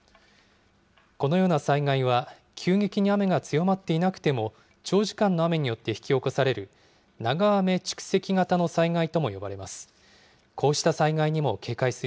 このような災害は急激に雨が強まっていなくても、長時間の雨によって引き起こされる、長雨蓄積型の災害とも呼ばれます。